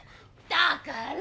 だから！